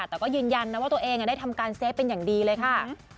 แต่ก็ยืนยันนะว่าตัวเองได้ทำการเซฟเป็นอย่างดีเลยค่ะ